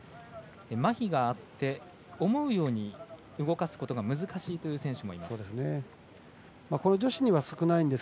まひがあって思うように動かすことが難しいという選手もいます。